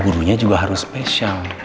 gurunya juga harus spesial